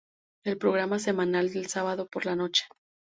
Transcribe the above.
El programa semanal de sábado por la noche.